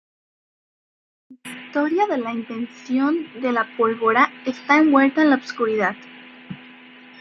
La historia de la invención de la pólvora está envuelta en la oscuridad.